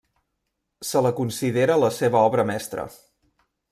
Se la considera la seva obra mestra.